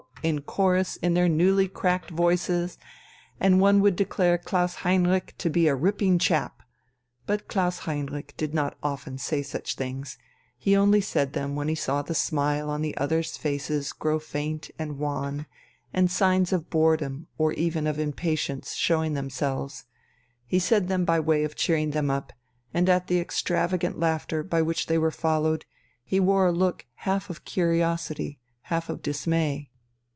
'd in chorus in their newly cracked voices, and one would declare Klaus Heinrich to be a "ripping chap." But Klaus Heinrich did not often say such things, he only said them when he saw the smile on the others' faces grow faint and wan, and signs of boredom or even of impatience showing themselves; he said them by way of cheering them up, and at the extravagant laughter by which they were followed he wore a look half of curiosity, half of dismay.